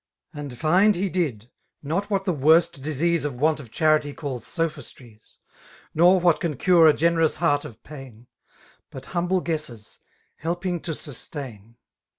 —^ And find he did^ not what the worse disease Of want of charity calls sophistries, — Nor what can cure a gen^t>us heart of pain^ — But hunUe guesses, helping to sustain.